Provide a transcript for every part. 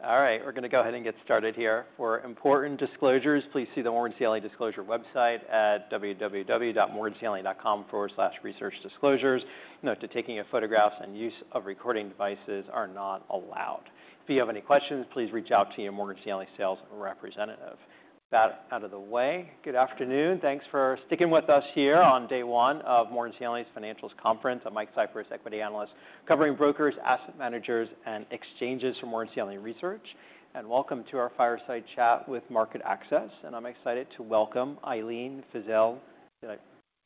Are you ready? Ready. All right. We're going to go ahead and get started here. For important disclosures, please see the Morgan Stanley Disclosure website at www.morganstanley.com/researchdisclosures. Note that taking your photographs and use of recording devices are not allowed. If you have any questions, please reach out to your Morgan Stanley sales representative. That out of the way, good afternoon. Thanks for sticking with us here on day one of Morgan Stanley's Financials Conference. I'm Mike Cyprys, Equity Analyst, covering brokers, asset managers, and exchanges for Morgan Stanley Research. Welcome to our fireside chat with MarketAxess. I'm excited to welcome Ilene Fiszel Bieler.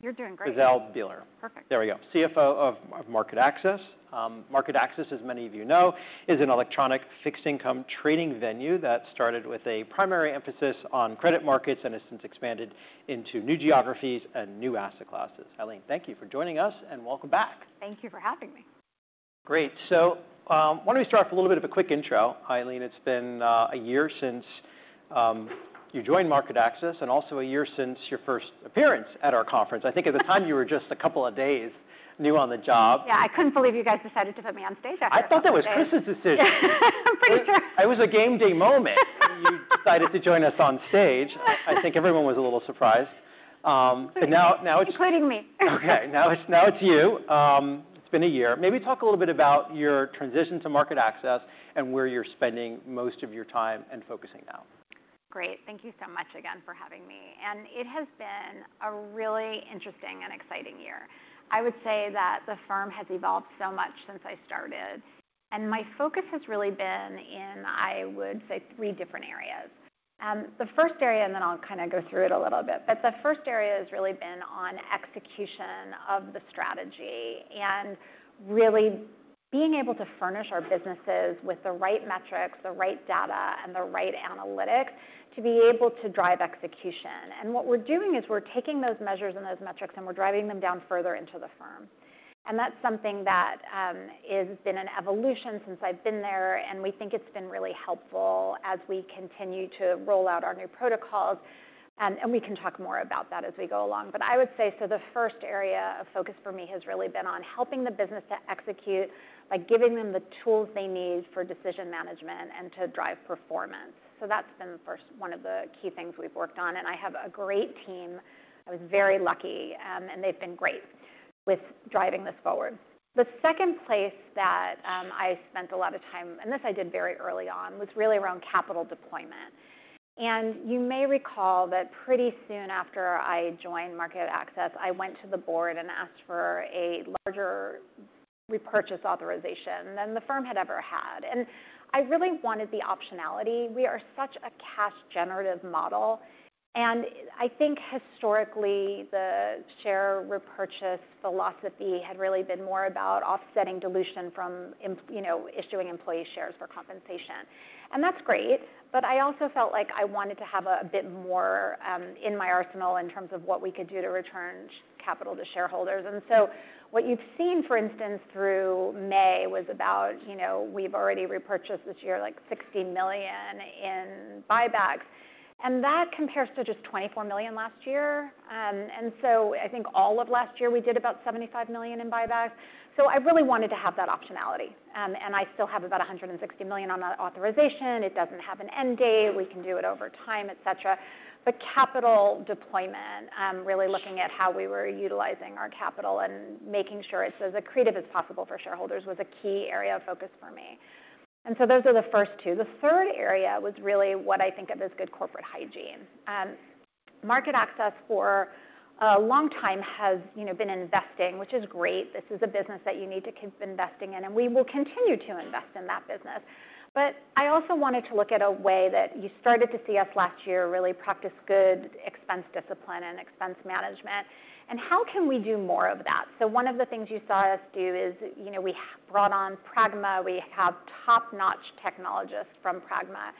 You're doing great. Fiszel Bieler. Perfect. There we go. CFO of MarketAxess. MarketAxess, as many of you know, is an electronic fixed income trading venue that started with a primary emphasis on credit markets and has since expanded into new geographies and new asset classes. Ilene, thank you for joining us and welcome back. Thank you for having me. Great. Why don't we start off with a little bit of a quick intro, Ilene. It's been a year since you joined MarketAxess and also a year since your first appearance at our conference. I think at the time you were just a couple of days new on the job. Yeah, I couldn't believe you guys decided to put me on stage after that. I thought that was Chris's decision. I'm pretty sure. It was a game day moment you decided to join us on stage. I think everyone was a little surprised. Including me. OK, now it's you. It's been a year. Maybe talk a little bit about your transition to MarketAxess and where you're spending most of your time and focusing now. Great. Thank you so much again for having me. It has been a really interesting and exciting year. I would say that the firm has evolved so much since I started. My focus has really been in, I would say, three different areas. The first area, and then I'll kind of go through it a little bit, the first area has really been on execution of the strategy and really being able to furnish our businesses with the right metrics, the right data, and the right analytics to be able to drive execution. What we're doing is we're taking those measures and those metrics and we're driving them down further into the firm. That's something that has been an evolution since I've been there. We think it's been really helpful as we continue to roll out our new protocols. We can talk more about that as we go along. I would say, the first area of focus for me has really been on helping the business to execute by giving them the tools they need for decision management and to drive performance. That has been one of the key things we have worked on. I have a great team. I was very lucky. They have been great with driving this forward. The second place that I spent a lot of time, and this I did very early on, was really around capital deployment. You may recall that pretty soon after I joined MarketAxess, I went to the board and asked for a larger repurchase authorization than the firm had ever had. I really wanted the optionality. We are such a cash-generative model. I think historically the share repurchase philosophy had really been more about offsetting dilution from issuing employee shares for compensation. That is great. I also felt like I wanted to have a bit more in my arsenal in terms of what we could do to return capital to shareholders. What you have seen, for instance, through May was about we have already repurchased this year like $60 million in buybacks. That compares to just $24 million last year. I think all of last year we did about $75 million in buybacks. I really wanted to have that optionality. I still have about $160 million on that authorization. It does not have an end date. We can do it over time, et cetera. Capital deployment, really looking at how we were utilizing our capital and making sure it's as accretive as possible for shareholders was a key area of focus for me. Those are the first two. The third area was really what I think of as good corporate hygiene. MarketAxess for a long time has been investing, which is great. This is a business that you need to keep investing in. We will continue to invest in that business. I also wanted to look at a way that you started to see us last year really practice good expense discipline and expense management. How can we do more of that? One of the things you saw us do is we brought on Pragma. We have top-notch technologists from Pragma.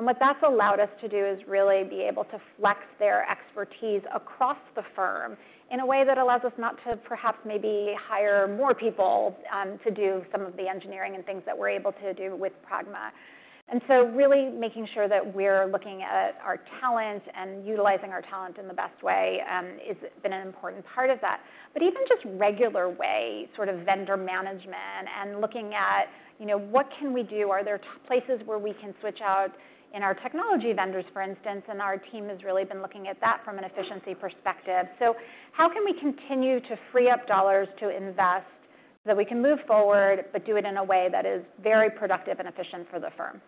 What that has allowed us to do is really be able to flex their expertise across the firm in a way that allows us not to perhaps maybe hire more people to do some of the engineering and things that we're able to do with Pragma. Really making sure that we're looking at our talent and utilizing our talent in the best way has been an important part of that. Even just regular way, sort of vendor management and looking at what can we do. Are there places where we can switch out in our technology vendors, for instance? Our team has really been looking at that from an efficiency perspective. How can we continue to free up dollars to invest so that we can move forward but do it in a way that is very productive and efficient for the firm?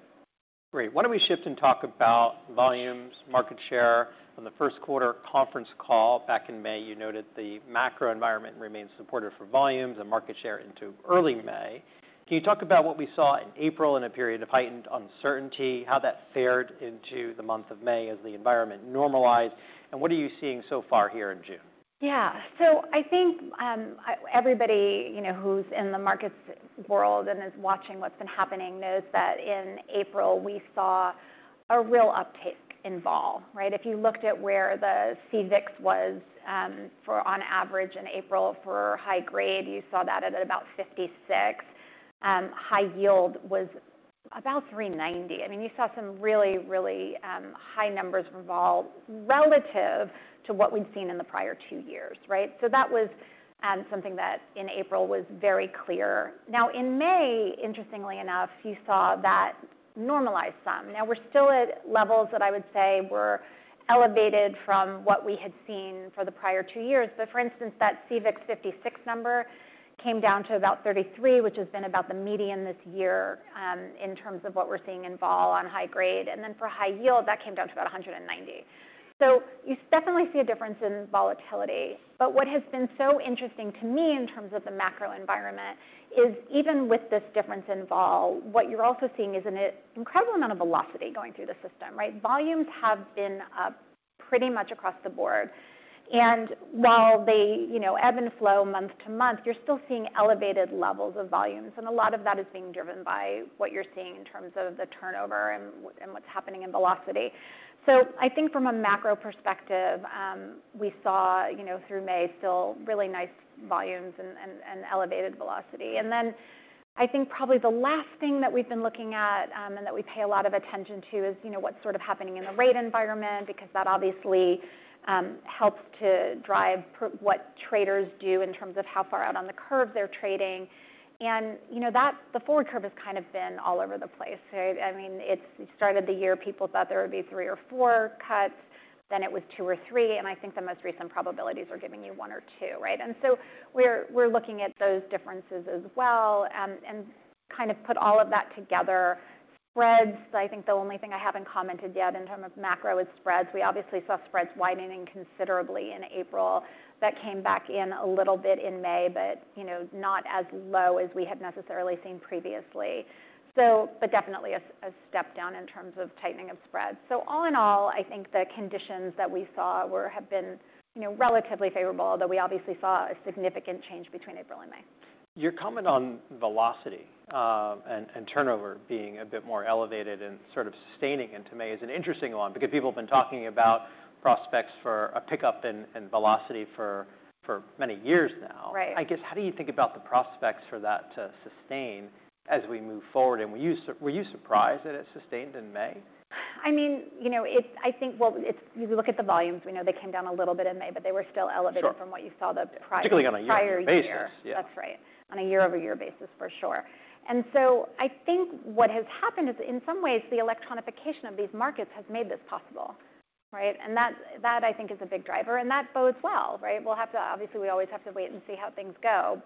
Great. Why do not we shift and talk about volumes, market share? On the first quarter conference call back in May, you noted the macro environment remains supportive for volumes and market share into early May. Can you talk about what we saw in April in a period of heightened uncertainty, how that fared into the month of May as the environment normalized? What are you seeing so far here in June? Yeah. So I think everybody who's in the markets world and is watching what's been happening knows that in April we saw a real uptick in vol. If you looked at where the CVIX was on average in April for high-grade, you saw that at about 56. High-yield was about 390. I mean, you saw some really, really high numbers for vol relative to what we'd seen in the prior two years. That was something that in April was very clear. Now in May, interestingly enough, you saw that normalize some. Now we're still at levels that I would say were elevated from what we had seen for the prior two years. For instance, that CVIX 56 number came down to about 33, which has been about the median this year in terms of what we're seeing in vol on high-grade. For high-yield, that came down to about 190. You definitely see a difference in volatility. What has been so interesting to me in terms of the macro environment is even with this difference in vol, what you are also seeing is an incredible amount of velocity going through the system. Volumes have been up pretty much across the board. While they ebb and flow month to month, you are still seeing elevated levels of volumes. A lot of that is being driven by what you are seeing in terms of the turnover and what is happening in velocity. I think from a macro perspective, we saw through May still really nice volumes and elevated velocity. I think probably the last thing that we've been looking at and that we pay a lot of attention to is what's sort of happening in the rate environment because that obviously helps to drive what traders do in terms of how far out on the curve they're trading. The forward curve has kind of been all over the place. I mean, it started the year, people thought there would be three or four cuts. Then it was two or three. I think the most recent probabilities are giving you one or two. We're looking at those differences as well and kind of put all of that together. Spreads, I think the only thing I haven't commented yet in terms of macro is spreads. We obviously saw spreads widening considerably in April. That came back in a little bit in May, but not as low as we had necessarily seen previously. Definitely a step down in terms of tightening of spreads. All in all, I think the conditions that we saw have been relatively favorable, although we obviously saw a significant change between April and May. Your comment on velocity and turnover being a bit more elevated and sort of sustaining into May is an interesting one because people have been talking about prospects for a pickup in velocity for many years now. I guess, how do you think about the prospects for that to sustain as we move forward? Were you surprised that it sustained in May? I mean, I think if you look at the volumes, we know they came down a little bit in May, but they were still elevated from what you saw the prior year. Particularly on a year-over-year basis. That's right. On a year-over-year basis, for sure. I think what has happened is in some ways the electronification of these markets has made this possible. That, I think, is a big driver. That bodes well. We'll have to, obviously, we always have to wait and see how things go.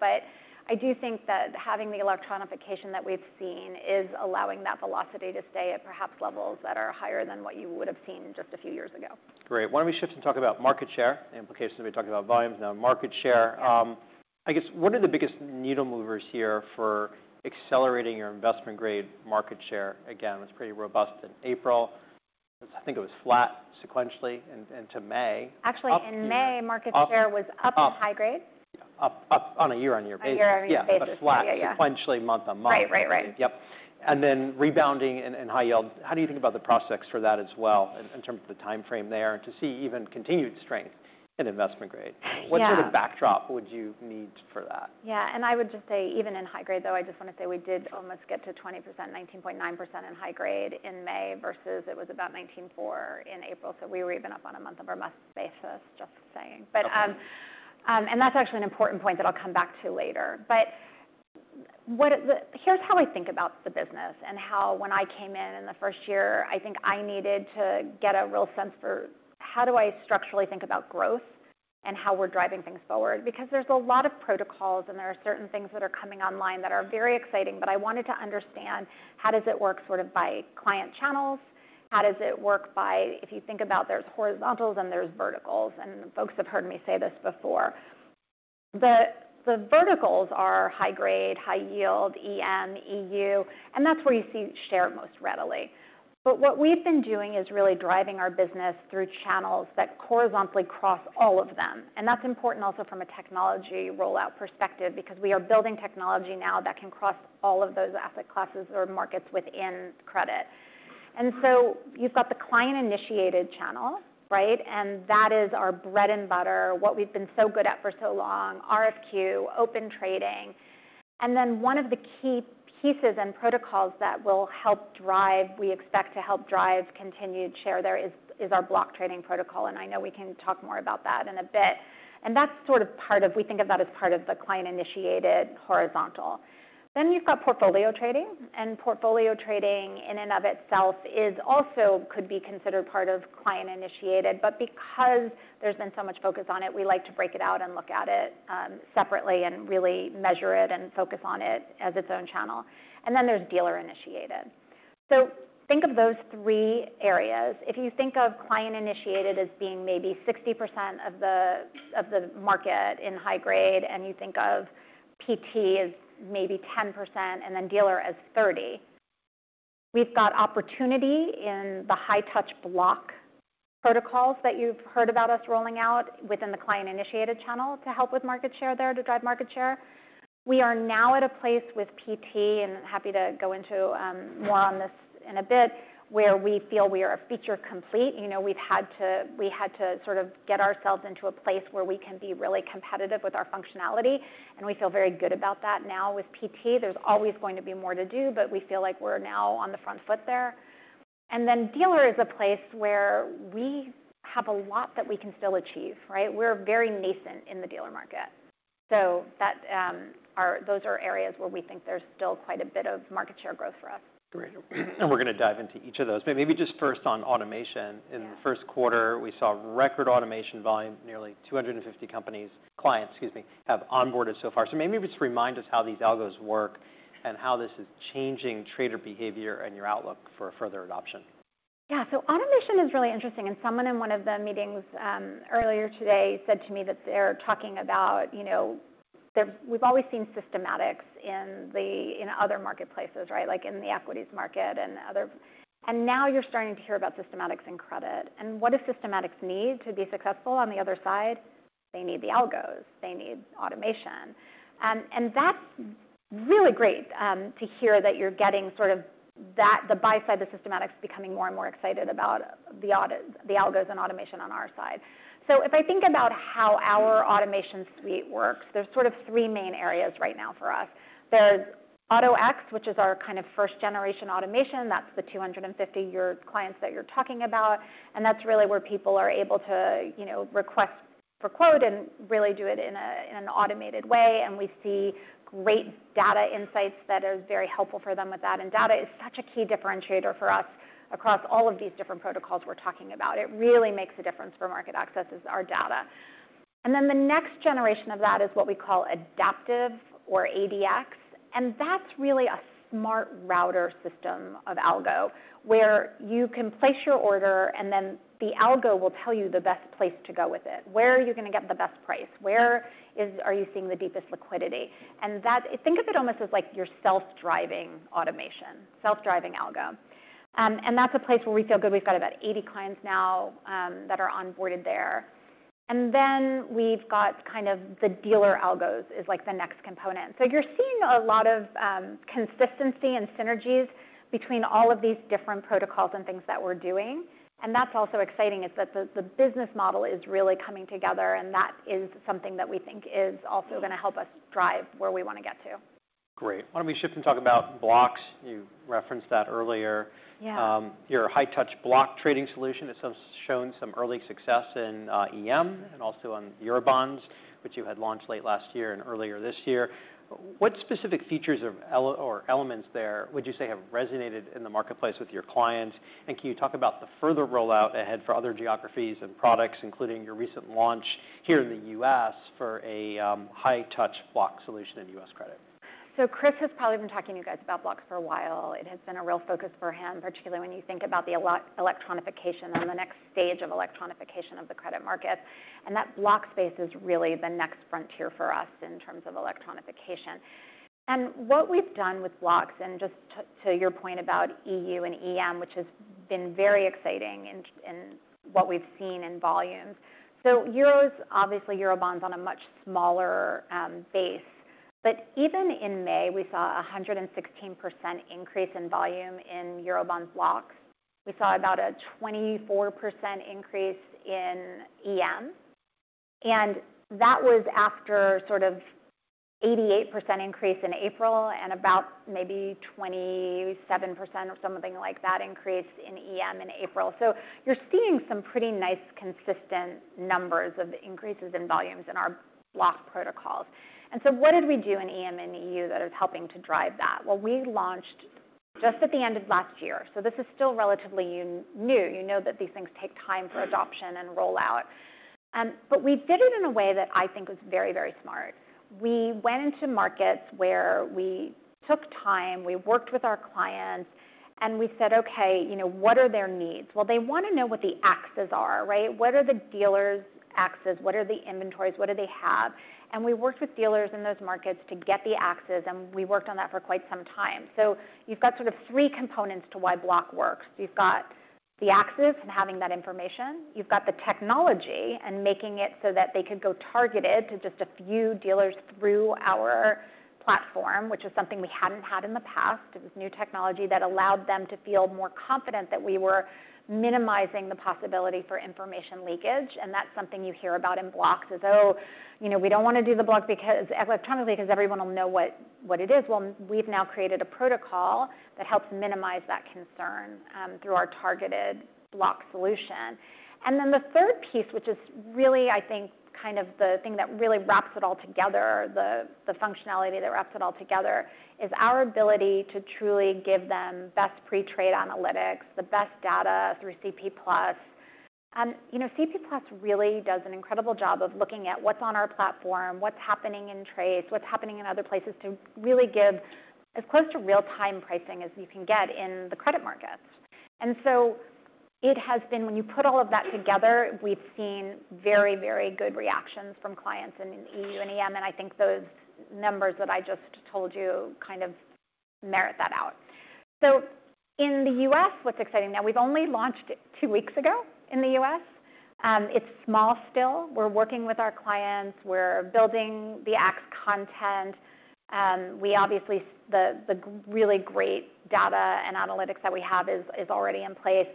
I do think that having the electronification that we've seen is allowing that velocity to stay at perhaps levels that are higher than what you would have seen just a few years ago. Great. Why don't we shift and talk about market share and implications? We talked about volumes. Now market share. I guess, what are the biggest needle movers here for accelerating your investment grade market share? Again, it was pretty robust in April. I think it was flat sequentially into May. Actually, in May, market share was up on high-grade. Up on a year-on-year basis. A year-on-year basis. Flat sequentially month on month. Right. Yep. And then rebounding in high-yield. How do you think about the prospects for that as well in terms of the time frame there to see even continued strength in investment-grade? What sort of backdrop would you need for that? Yeah. I would just say even in high-grade, though, I just want to say we did almost get to 20%, 19.9% in high-grade in May versus it was about 19.4% in April. We were even up on a month-over-month basis, just saying. That is actually an important point that I'll come back to later. Here's how I think about the business and how when I came in in the first year, I think I needed to get a real sense for how do I structurally think about growth and how we're driving things forward. There are a lot of protocols and there are certain things that are coming online that are very exciting. I wanted to understand how does it work sort of by client channels? How does it work by if you think about there's horizontals and there's verticals. Folks have heard me say this before. The verticals are high grade, high yield, EM, EU. That is where you see share most readily. What we have been doing is really driving our business through channels that horizontally cross all of them. That is important also from a technology rollout perspective because we are building technology now that can cross all of those asset classes or markets within credit. You have the client-initiated channel. That is our bread and butter, what we have been so good at for so long, RFQ, Open Trading. One of the key pieces and protocols that we expect to help drive continued share there is our block trading protocol. I know we can talk more about that in a bit. That is sort of part of, we think of that as part of the client-initiated horizontal. You have got portfolio trading. Portfolio trading in and of itself could be considered part of client-initiated. Because there has been so much focus on it, we like to break it out and look at it separately and really measure it and focus on it as its own channel. There is dealer-initiated. Think of those three areas. If you think of client-initiated as being maybe 60% of the market in high grade and you think of PT as maybe 10% and dealer as 30%, we have got opportunity in the high-touch block protocols that you have heard about us rolling out within the client-initiated channel to help with market share there to drive market share. We are now at a place with PT, and happy to go into more on this in a bit, where we feel we are feature complete. We had to sort of get ourselves into a place where we can be really competitive with our functionality. We feel very good about that now with PT. There is always going to be more to do, but we feel like we are now on the front foot there. Dealer is a place where we have a lot that we can still achieve. We are very nascent in the dealer market. Those are areas where we think there is still quite a bit of market share growth for us. Great. We are going to dive into each of those. Maybe just first on automation. In the first quarter, we saw record automation volume. Nearly 250 clients have onboarded so far. Maybe just remind us how these algos work and how this is changing trader behavior and your outlook for further adoption. Yeah. Automation is really interesting. Someone in one of the meetings earlier today said to me that they're talking about we've always seen systematics in other marketplaces, like in the equities market and other. Now you're starting to hear about systematics in credit. What does systematics need to be successful on the other side? They need the algos. They need automation. That's really great to hear that you're getting sort of the buy side of the systematics becoming more and more excited about the algos and automation on our side. If I think about how our automation suite works, there are sort of three main areas right now for us. There's Auto-X, which is our kind of first-generation automation. That's the 250 clients that you're talking about. That is really where people are able to request for quote and really do it in an automated way. We see great data insights that are very helpful for them with that. Data is such a key differentiator for us across all of these different protocols we are talking about. It really makes a difference for MarketAxess is our data. The next generation of that is what we call adaptive or ADX. That is really a smart router system of algo where you can place your order and then the algo will tell you the best place to go with it. Where are you going to get the best price? Where are you seeing the deepest liquidity? Think of it almost as like your self-driving automation, self-driving algo. That is a place where we feel good. We have got about 80 clients now that are onboarded there. We have got kind of the dealer algos as the next component. You are seeing a lot of consistency and synergies between all of these different protocols and things that we are doing. What is also exciting is that the business model is really coming together. That is something that we think is also going to help us drive where we want to get to. Great. Why do not we shift and talk about blocks? You referenced that earlier. Your high-touch block trading solution has shown some early success in EM and also on Eurobonds, which you had launched late last year and earlier this year. What specific features or elements there would you say have resonated in the marketplace with your clients? Can you talk about the further rollout ahead for other geographies and products, including your recent launch here in the U.S. for a high-touch block solution in U.S. credit? Chris has probably been talking to you guys about blocks for a while. It has been a real focus for him, particularly when you think about the electronification and the next stage of electronification of the credit markets. That block space is really the next frontier for us in terms of electronification. What we've done with blocks and just to your point about EU and EM, which has been very exciting in what we've seen in volumes. Euros, obviously Eurobonds on a much smaller base. Even in May, we saw a 116% increase in volume in Eurobond blocks. We saw about a 24% increase in EM. That was after sort of 88% increase in April and about maybe 27% or something like that increase in EM in April. You're seeing some pretty nice consistent numbers of increases in volumes in our block protocols. What did we do in EM and EU that is helping to drive that? We launched just at the end of last year. This is still relatively new. You know that these things take time for adoption and rollout. We did it in a way that I think was very, very smart. We went into markets where we took time. We worked with our clients. We said, "Okay, what are their needs?" They want to know what the axes are. What are the dealers' axes? What are the inventories? What do they have? We worked with dealers in those markets to get the axes. We worked on that for quite some time. You have sort of three components to why block works. You have the axes and having that information. You've got the technology and making it so that they could go targeted to just a few dealers through our platform, which is something we hadn't had in the past. It was new technology that allowed them to feel more confident that we were minimizing the possibility for information leakage. That is something you hear about in blocks is, "Oh, we don't want to do the block electronically because everyone will know what it is." We have now created a protocol that helps minimize that concern through our targeted block solution. The third piece, which is really, I think, kind of the thing that really wraps it all together, the functionality that wraps it all together, is our ability to truly give them best pre-trade analytics, the best data through CP+. CP+ really does an incredible job of looking at what's on our platform, what's happening in trades, what's happening in other places to really give as close to real-time pricing as you can get in the credit markets. It has been when you put all of that together, we've seen very, very good reactions from clients in EU and EM. I think those numbers that I just told you kind of merit that out. In the U.S., what's exciting now, we've only launched two weeks ago in the U.S. It's small still. We're working with our clients. We're building the axe content. The really great data and analytics that we have is already in place.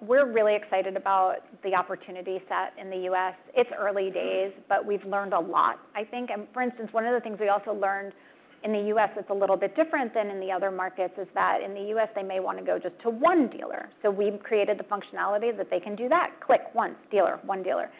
We're really excited about the opportunity set in the U.S. It's early days, but we've learned a lot, I think. For instance, one of the things we also learned in the U.S. that's a little bit different than in the other markets is that in the U.S., they may want to go just to one dealer. We've created the functionality that they can do that. Click once dealer, one dealer.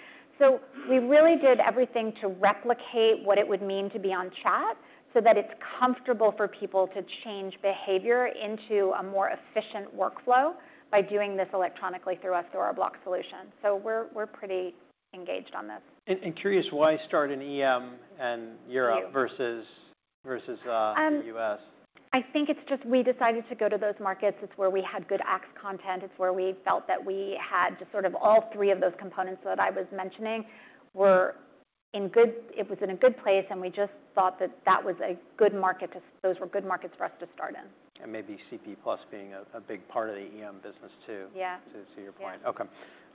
We really did everything to replicate what it would mean to be on chat so that it's comfortable for people to change behavior into a more efficient workflow by doing this electronically through us, through our block solution. We're pretty engaged on this. Curious why start in EM and Europe versus the U.S.? I think it's just we decided to go to those markets. It's where we had good axe content. It's where we felt that we had sort of all three of those components that I was mentioning were in a good place. We just thought that that was a good market. Those were good markets for us to start in. Maybe CP+ being a big part of the EM business too, to your point. Okay.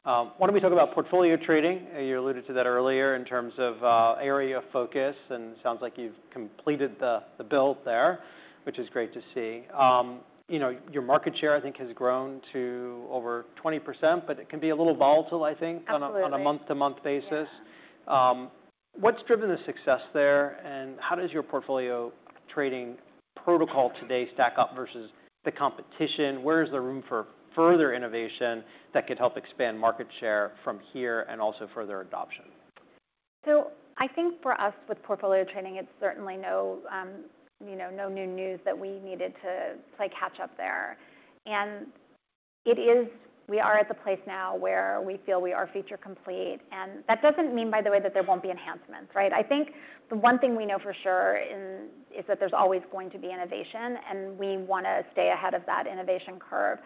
Why do we not talk about portfolio trading? You alluded to that earlier in terms of area of focus. It sounds like you have completed the build there, which is great to see. Your market share, I think, has grown to over 20%, but it can be a little volatile, I think, on a month-to-month basis. What has driven the success there? How does your portfolio trading protocol today stack up versus the competition? Where is there room for further innovation that could help expand market share from here and also further adoption? I think for us with portfolio trading, it's certainly no new news that we needed to play catch-up there. We are at the place now where we feel we are feature complete. That doesn't mean, by the way, that there won't be enhancements. I think the one thing we know for sure is that there's always going to be innovation. We want to stay ahead of that innovation curve.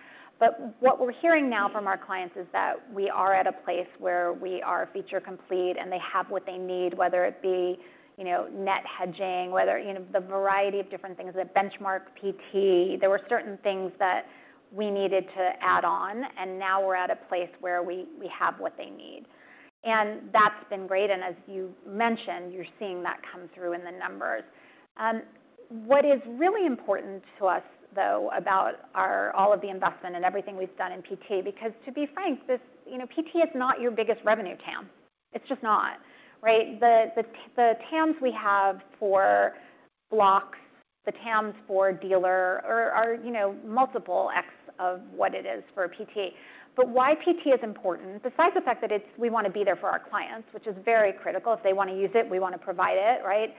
What we're hearing now from our clients is that we are at a place where we are feature complete and they have what they need, whether it be net hedging, the variety of different things, the benchmark, PT. There were certain things that we needed to add on. Now we're at a place where we have what they need. That's been great. As you mentioned, you're seeing that come through in the numbers. What is really important to us, though, about all of the investment and everything we've done in PT, because to be frank, PT is not your biggest revenue TAM. It's just not. The TAMs we have for blocks, the TAMs for dealer are multiple x of what it is for PT. What PT is important, besides the fact that we want to be there for our clients, which is very critical. If they want to use it, we want to provide it.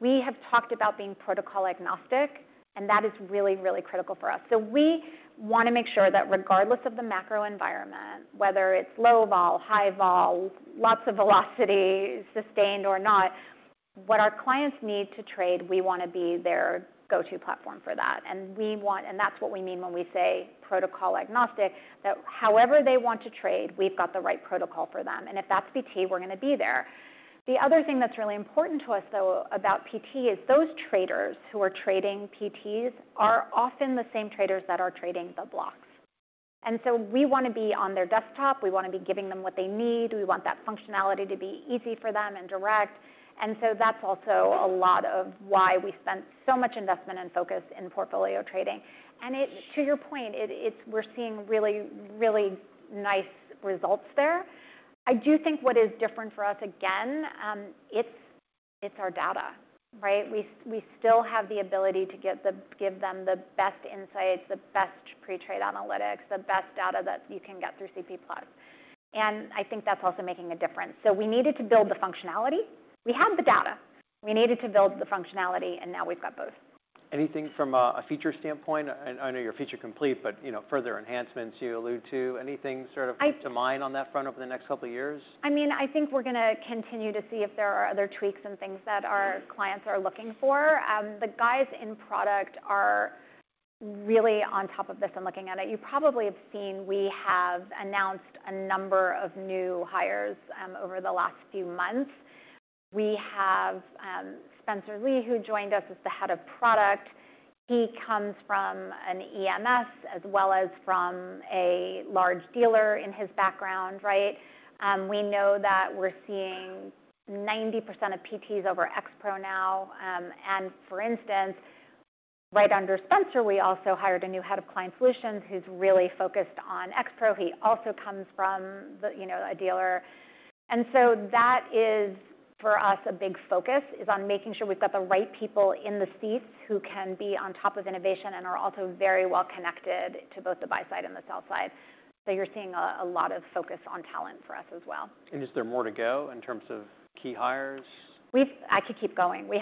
We have talked about being protocol agnostic. That is really, really critical for us. We want to make sure that regardless of the macro environment, whether it's low vol, high vol, lots of velocity, sustained or not, what our clients need to trade, we want to be their go-to platform for that. That is what we mean when we say protocol agnostic, that however they want to trade, we have got the right protocol for them. If that is PT, we are going to be there. The other thing that is really important to us, though, about PT is those traders who are trading PTs are often the same traders that are trading the blocks. We want to be on their desktop. We want to be giving them what they need. We want that functionality to be easy for them and direct. That is also a lot of why we spent so much investment and focus in portfolio trading. To your point, we are seeing really, really nice results there. I do think what is different for us, again, it is our data. We still have the ability to give them the best insights, the best pre-trade analytics, the best data that you can get through CP+. I think that's also making a difference. We needed to build the functionality. We had the data. We needed to build the functionality. Now we've got both. Anything from a feature standpoint? I know you're feature complete, but further enhancements you allude to. Anything sort of come to mind on that front over the next couple of years? I mean, I think we're going to continue to see if there are other tweaks and things that our clients are looking for. The guys in product are really on top of this and looking at it. You probably have seen we have announced a number of new hires over the last few months. We have Spencer Lee, who joined us as the Head of Product. He comes from an EMS as well as from a large dealer in his background. We know that we're seeing 90% of PTs over X-Pro now. And for instance, right under Spencer, we also hired a new Head of Client Solutions who's really focused on X-Pro. He also comes from a dealer. That is, for us, a big focus is on making sure we've got the right people in the seats who can be on top of innovation and are also very well connected to both the buy side and the sell side. You're seeing a lot of focus on talent for us as well. Is there more to go in terms of key hires? I could keep going. When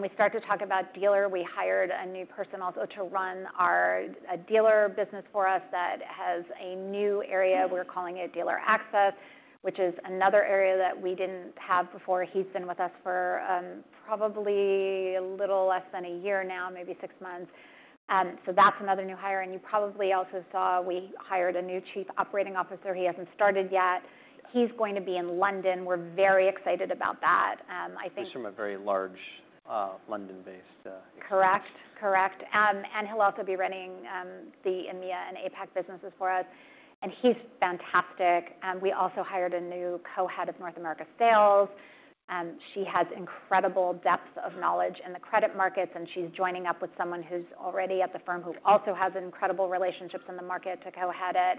we start to talk about dealer, we hired a new person also to run our dealer business for us that has a new area. We're calling it DealerAxess, which is another area that we did not have before. He's been with us for probably a little less than a year now, maybe six months. That is another new hire. You probably also saw we hired a new Chief Operating Officer. He has not started yet. He is going to be in London. We're very excited about that. He's from a very large London-based institution. Correct. Correct. He'll also be running the EMEA and APAC businesses for us. He's fantastic. We also hired a new co-head of North America sales. She has incredible depth of knowledge in the credit markets. She's joining up with someone who's already at the firm who also has incredible relationships in the market to co-head it.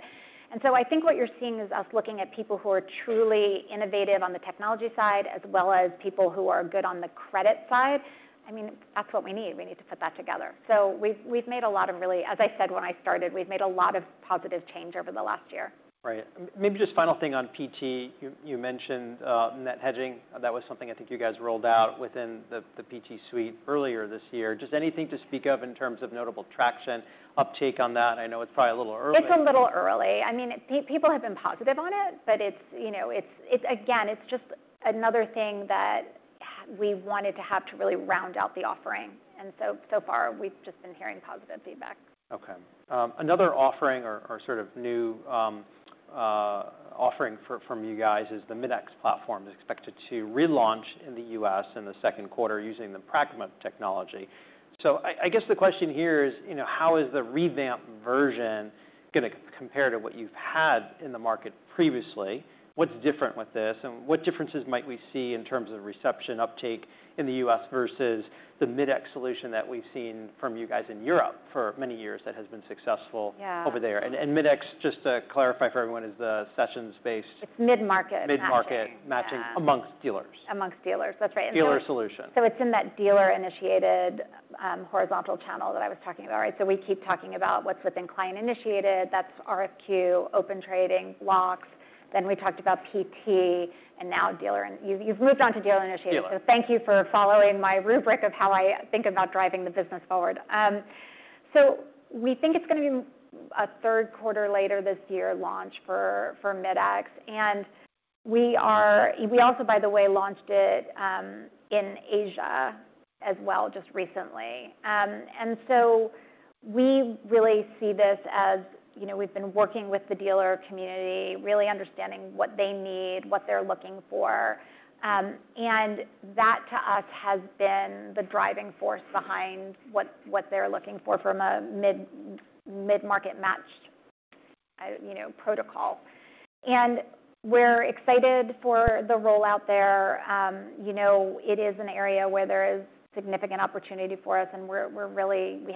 I think what you're seeing is us looking at people who are truly innovative on the technology side as well as people who are good on the credit side. I mean, that's what we need. We need to put that together. We've made a lot of really, as I said when I started, we've made a lot of positive change over the last year. Right. Maybe just final thing on PT. You mentioned net hedging. That was something I think you guys rolled out within the PT suite earlier this year. Just anything to speak of in terms of notable traction, uptake on that? I know it's probably a little early. It's a little early. I mean, people have been positive on it. Again, it's just another thing that we wanted to have to really round out the offering. So far, we've just been hearing positive feedback. Okay. Another offering or sort of new offering from you guys is the Mid-X platform is expected to relaunch in the U.S. in the second quarter using the Pragma technology. I guess the question here is, how is the revamped version going to compare to what you've had in the market previously? What's different with this? What differences might we see in terms of reception uptake in the U.S. versus the Mid-X solution that we've seen from you guys in Europe for many years that has been successful over there? Mid-X, just to clarify for everyone, is the sessions-based. It's mid-market. Mid-market matching amongst dealers. Amongst dealers. That's right. Dealer solution. It is in that dealer-initiated horizontal channel that I was talking about. We keep talking about what is within client-initiated. That is RFQ, Open Trading, blocks. Then we talked about PT. Now you have moved on to dealer-initiated. Thank you for following my rubric of how I think about driving the business forward. We think it is going to be a third quarter later this year launch for Mid-X. We also, by the way, launched it in Asia as well just recently. We really see this as we have been working with the dealer community, really understanding what they need, what they are looking for. That to us has been the driving force behind what they are looking for from a mid-market matched protocol. We are excited for the rollout there. It is an area where there is significant opportunity for us. We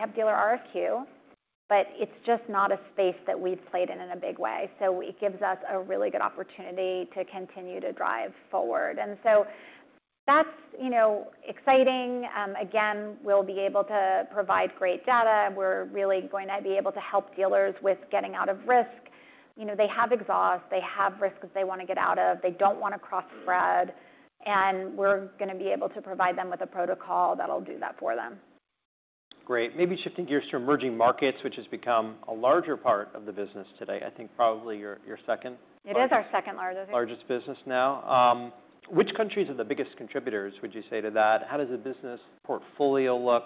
have dealer RFQ. It is just not a space that we have played in in a big way. It gives us a really good opportunity to continue to drive forward. That is exciting. Again, we will be able to provide great data. We are really going to be able to help dealers with getting out of risk. They have exhaust. They have risks they want to get out of. They do not want to cross-spread. We are going to be able to provide them with a protocol that will do that for them. Great. Maybe shifting gears to emerging markets, which has become a larger part of the business today. I think probably your second. It is our second largest. Largest business now. Which countries are the biggest contributors, would you say, to that? How does the business portfolio look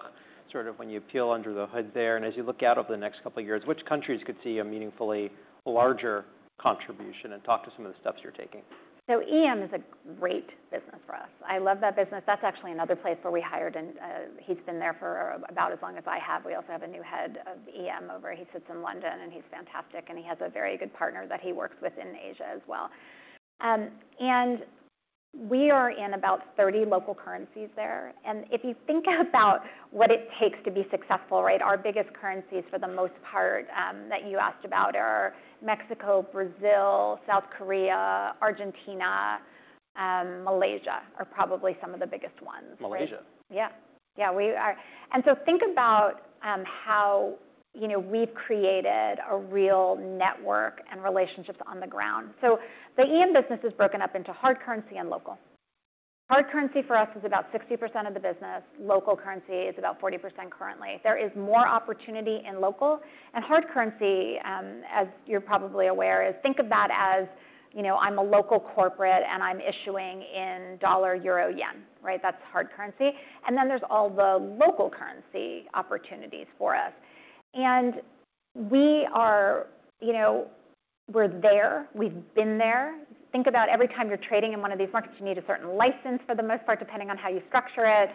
sort of when you peel under the hood there? As you look out over the next couple of years, which countries could see a meaningfully larger contribution and talk to some of the steps you're taking? EM is a great business for us. I love that business. That's actually another place where we hired. He's been there for about as long as I have. We also have a new head of EM over. He sits in London. He's fantastic. He has a very good partner that he works with in Asia as well. We are in about 30 local currencies there. If you think about what it takes to be successful, our biggest currencies for the most part that you asked about are Mexico, Brazil, South Korea, Argentina, Malaysia are probably some of the biggest ones. Malaysia. Yeah. Yeah. Think about how we've created a real network and relationships on the ground. The EM business is broken up into hard currency and local. Hard currency for us is about 60% of the business. Local currency is about 40% currently. There is more opportunity in local. Hard currency, as you're probably aware, is think of that as I'm a local corporate and I'm issuing in dollar, euro, yen. That's hard currency. Then there's all the local currency opportunities for us. We're there. We've been there. Think about every time you're trading in one of these markets, you need a certain license for the most part, depending on how you structure it.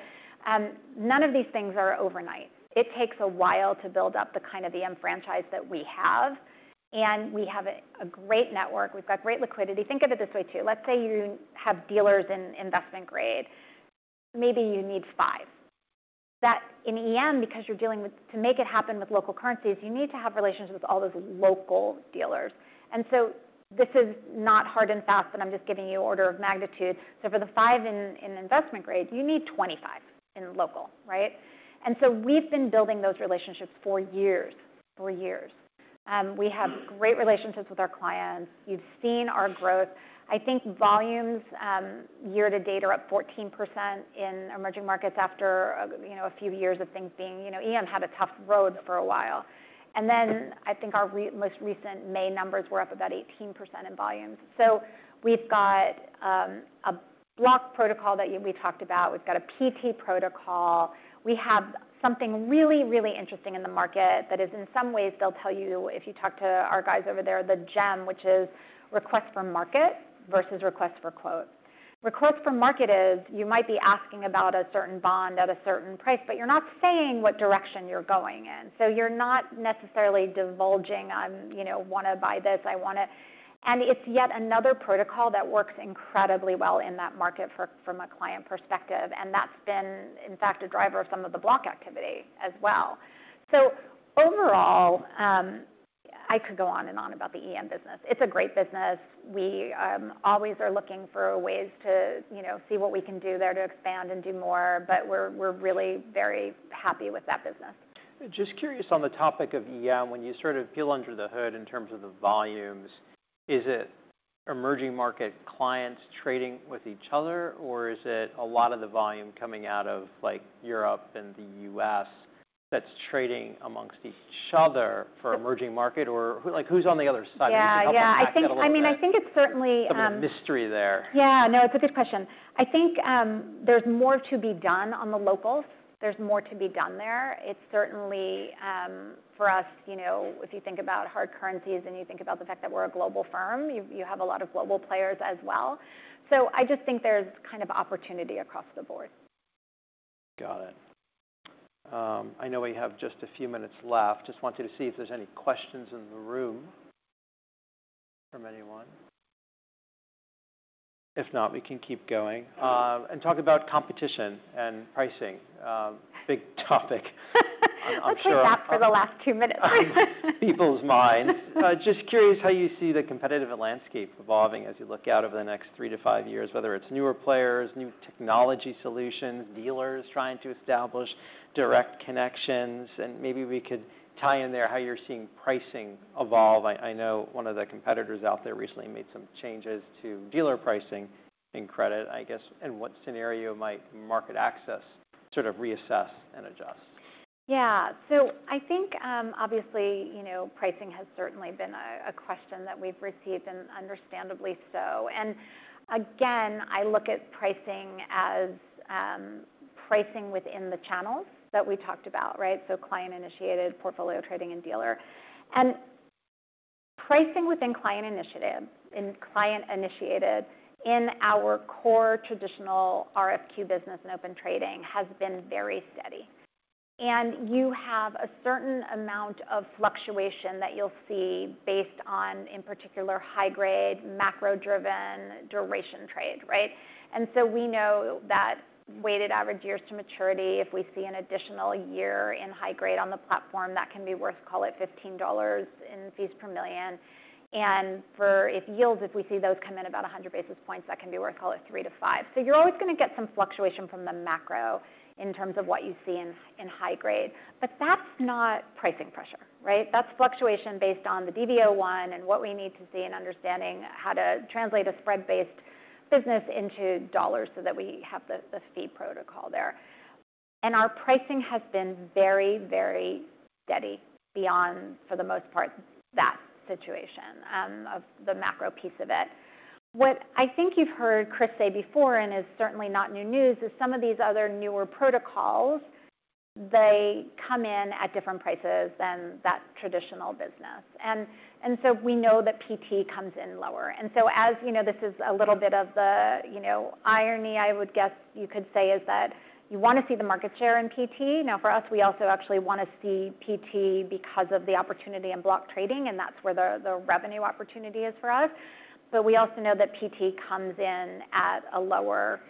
None of these things are overnight. It takes a while to build up the kind of EM franchise that we have. We have a great network. We've got great liquidity. Think of it this way too. Let's say you have dealers in investment grade. Maybe you need five. In EM, because you're dealing with to make it happen with local currencies, you need to have relationships with all those local dealers. This is not hard and fast, but I'm just giving you order of magnitude. For the five in investment grade, you need 25 in local. We have been building those relationships for years, for years. We have great relationships with our clients. You've seen our growth. I think volumes year to date are up 14% in emerging markets after a few years of things being EM had a tough road for a while. I think our most recent May numbers were up about 18% in volumes. We have got a block protocol that we talked about. We have got a PT protocol. We have something really, really interesting in the market that is in some ways they'll tell you if you talk to our guys over there, the gem, which is request for market versus request for quote. Request for market is you might be asking about a certain bond at a certain price, but you're not saying what direction you're going in. You are not necessarily divulging, "I want to buy this. I want to." It is yet another protocol that works incredibly well in that market from a client perspective. That has been, in fact, a driver of some of the block activity as well. Overall, I could go on and on about the EM business. It is a great business. We always are looking for ways to see what we can do there to expand and do more. We are really very happy with that business. Just curious on the topic of EM, when you sort of peel under the hood in terms of the volumes, is it emerging market clients trading with each other? Or is it a lot of the volume coming out of Europe and the U.S. that's trading amongst each other for emerging market? Or who's on the other side? Yeah. I mean, I think it's certainly. There's a mystery there. Yeah. No, it's a good question. I think there's more to be done on the locals. There's more to be done there. It's certainly for us, if you think about hard currencies and you think about the fact that we're a global firm, you have a lot of global players as well. I just think there's kind of opportunity across the board. Got it. I know we have just a few minutes left. Just wanted to see if there's any questions in the room from anyone. If not, we can keep going and talk about competition and pricing. Big topic. I'll take that for the last two minutes. People's minds. Just curious how you see the competitive landscape evolving as you look out over the next three to five years, whether it is newer players, new technology solutions, dealers trying to establish direct connections. Maybe we could tie in there how you are seeing pricing evolve. I know one of the competitors out there recently made some changes to dealer pricing in credit, I guess. In what scenario might MarketAxess sort of reassess and adjust? Yeah. I think obviously pricing has certainly been a question that we've received, and understandably so. Again, I look at pricing as pricing within the channels that we talked about, so client-initiated, portfolio trading, and dealer. Pricing within client-initiated in our core traditional RFQ business and Open Trading has been very steady. You have a certain amount of fluctuation that you'll see based on, in particular, high-grade, macro-driven duration trade. We know that weighted average years to maturity, if we see an additional year in high grade on the platform, that can be worth, call it $15 in fees per million. For yields, if we see those come in about 100 basis points, that can be worth, call it $3-$5. You're always going to get some fluctuation from the macro in terms of what you see in high grade. That is not pricing pressure. That is fluctuation based on the DV01 and what we need to see and understanding how to translate a spread-based business into dollars so that we have the fee protocol there. Our pricing has been very, very steady beyond, for the most part, that situation of the macro piece of it. What I think you have heard Chris say before and is certainly not new news is some of these other newer protocols, they come in at different prices than that traditional business. We know that PT comes in lower. As this is a little bit of the irony, I would guess you could say, you want to see the market share in PT. Now for us, we also actually want to see PT because of the opportunity in block trading. That is where the revenue opportunity is for us. We also know that PT comes in at a lower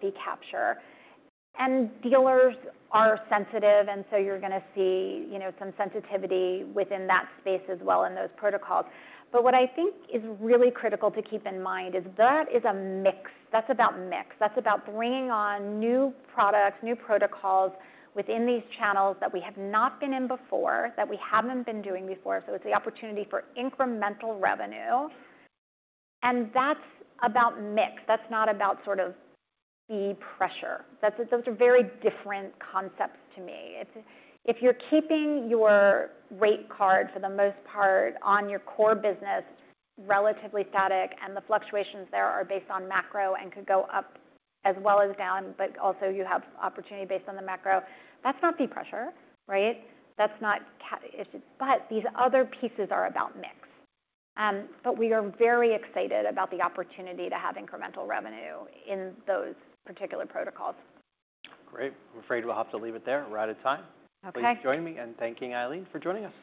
fee capture. Dealers are sensitive, so you are going to see some sensitivity within that space as well in those protocols. What I think is really critical to keep in mind is that is a mix. That is about mix. That is about bringing on new products, new protocols within these channels that we have not been in before, that we have not been doing before. It is the opportunity for incremental revenue, and that is about mix. That is not about sort of fee pressure. Those are very different concepts to me. If you are keeping your rate card for the most part on your core business relatively static and the fluctuations there are based on macro and could go up as well as down, but also you have opportunity based on the macro, that is not fee pressure. These other pieces are about mix. We are very excited about the opportunity to have incremental revenue in those particular protocols. Great. I'm afraid we'll have to leave it there right at time. Thanks for joining me and thanking Ilene for joining us.